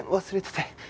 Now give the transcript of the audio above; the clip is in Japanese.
忘れてて。